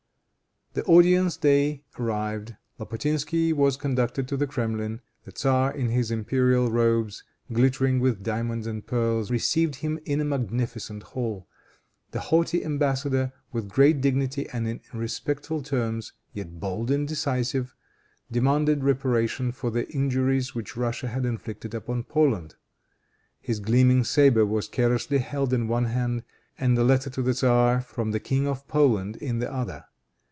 The audience day arrived. Lapotinsky was conducted to the Kremlin. The tzar, in his imperial robes glittering with diamonds and pearls, received him in a magnificent hall. The haughty embassador, with great dignity and in respectful terms, yet bold and decisive, demanded reparation for the injuries which Russia had inflicted upon Poland. His gleaming saber was carelessly held in one hand and the letter to the tzar, from the King of Poland, in the other.